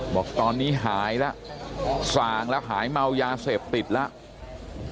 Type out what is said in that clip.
บอกตอนนี้หายแล้วส่างแล้วหายเมายาเสพติดแล้ว